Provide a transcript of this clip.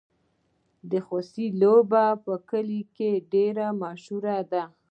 د خوسي لوبه په کلیو کې مشهوره ده.